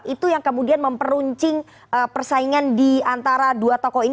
itu yang kemudian memperuncing persaingan di antara dua tokoh ini